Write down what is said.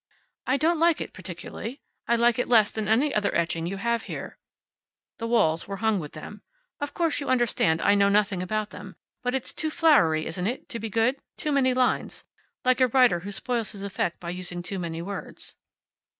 "I don't like it particularly. I like it less than any other etching you have here." The walls were hung with them. "Of course you understand I know nothing about them. But it's too flowery, isn't it, to be good? Too many lines. Like a writer who spoils his effect by using too many words."